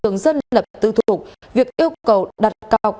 các trường dân lập tự thuộc việc yêu cầu đặt học